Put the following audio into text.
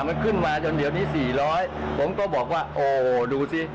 มันขึ้นมาจนเดี๋ยวนี้๔๐๐ผมก็บอกว่าโอ้ดูสิ